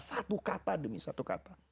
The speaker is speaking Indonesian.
satu kata demi satu kata